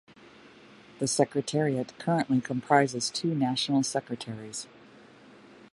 The secretariat currently comprises two national secretaries.